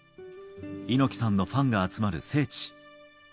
猪木さんのファンが集まる聖地。